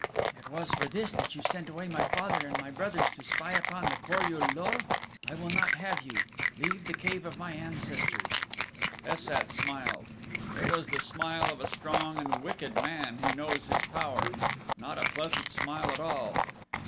"It was for this that you sent away my father and my brothers to spy upon the Kor ul lul? I will not have you. Leave the cave of my ancestors!" Es sat smiled. It was the smile of a strong and wicked man who knows his power not a pleasant smile at all.